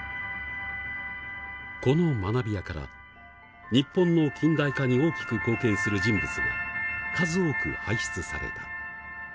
この学びやから日本の近代化に大きく貢献する人物が数多く輩出された。